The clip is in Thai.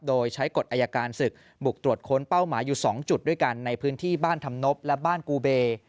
โดยใช้กฎอายการศึกบุกตรวจค้นเป้าหมายอยู่๒จุดด้วยกันในพื้นที่บ้านธรรมนบและบ้านกูเบ